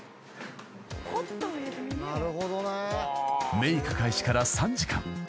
［メイク開始から３時間。